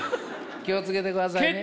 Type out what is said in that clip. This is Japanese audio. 気を付けてくださいね。